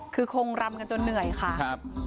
คือคงรำกันจนเหนื่อยค่ะ